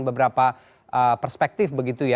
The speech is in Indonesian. beberapa perspektif begitu ya